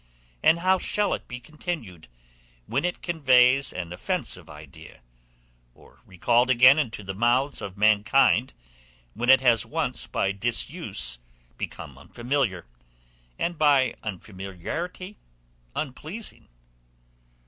and how shall it be continued, when it conveys an offensive idea, or recalled again into the mouths of mankind, when it has once become unfamiliar by disuse, and unpleasing by unfamiliarity?